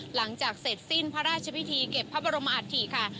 หลังจากเสร็จสิ้นพระราชพิธีเก็บพระบรมอัฐิค่ะ